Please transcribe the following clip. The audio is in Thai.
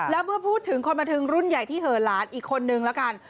แล้วเมื่อพูดถึงคนบันเทิงรุ่นใหญ่ที่เหอะหลานอีกคนนึงแล้วกัน